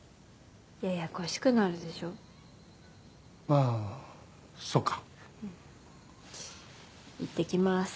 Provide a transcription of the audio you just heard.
ややこしくなるでしょまあそうかうんいってきます